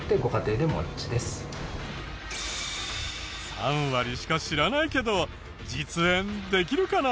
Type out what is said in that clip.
３割しか知らないけど実演できるかな？